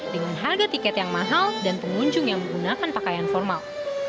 dengan harga tiket yang mahal dan pengunjung yang menggunakan pakaian formal